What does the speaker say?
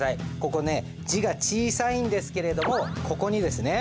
ここね字が小さいんですけれどもここにですね